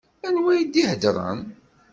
Anwa i d-ihedṛen?